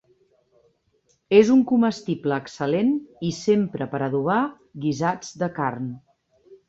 És un comestible excel·lent i s'empra per adobar guisats de carn.